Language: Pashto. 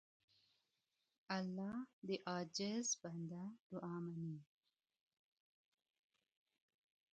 الله د عاجز بنده دعا منې.